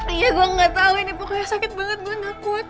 ayah gue gak tau ini pokoknya sakit banget gue takut